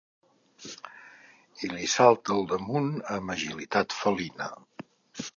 I li salta al damunt amb agilitat felina.